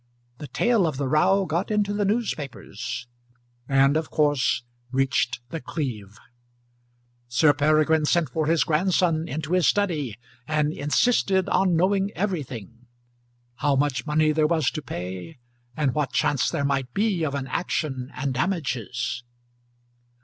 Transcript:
The tale of the row got into the newspapers, and of course reached The Cleeve. Sir Peregrine sent for his grandson into his study, and insisted on knowing everything; how much money there was to pay, and what chance there might be of an action and damages.